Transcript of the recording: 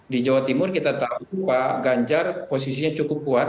di jawa timur kita tahu pak ganjar posisinya cukup kuat